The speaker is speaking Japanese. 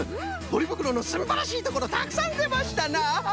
ポリぶくろのすんばらしいところたくさんでましたな！